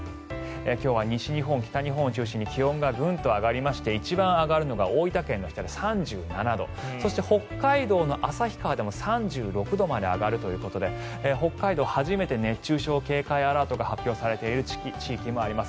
今日は西日本、北日本を中心に気温がぐんと上がって一番上がるのが大分県の日田で３７度旭川でも３６度まで上がるということで北海道初めて熱中症警戒アラートが発表されている地域もあります。